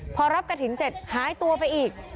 พอรับกระถิ่นเสร็จหายตัวไปอีก